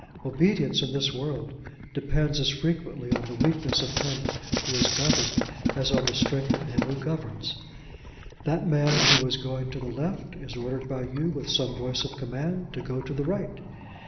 Obedience in this world depends as frequently on the weakness of him who is governed as on the strength of him who governs. That man who was going to the left is ordered by you with some voice of command to go to the right.